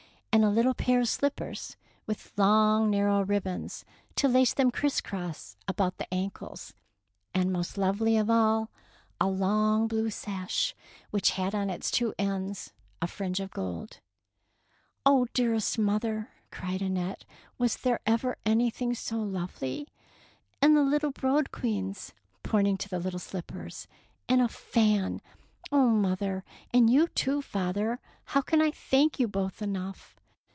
— and a little pair of slippers, with long, narrow ribbons to lace them criss cross about the ankles, and, most lovely of 179 DEEDS OF DARING all, a long blue sash, which had on its two ends a fringe of gold. '' Oh, dearest mother,'^ cried Annette, "was there ever anything so lovely; and the little brodequins," pointing to the little slippers, "and a fan! Oh, mother, and you, too, father, how can I thank you both enough?